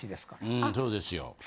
うんそうですよ。